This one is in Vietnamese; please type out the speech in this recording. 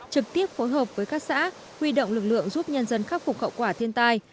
trực tiếp phối hợp với các xã huy động lực lượng giúp nhân dân khắc phục khẩu quả thiên tai